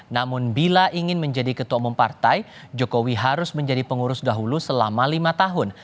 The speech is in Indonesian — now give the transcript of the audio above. namun bila ingin menjadi ketua umum partai jokowi harus menjadi pengurus dahulu selama lima tahun